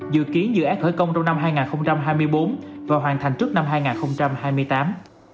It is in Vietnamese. dự kiến dự án khởi công trong năm hai nghìn hai mươi bốn và hoàn thành trước năm hai nghìn hai mươi tám